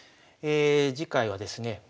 次回はですね